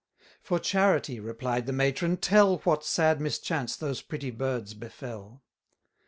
For charity, replied the matron, tell 420 What sad mischance those pretty birds befell.